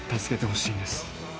助けてほしいんです。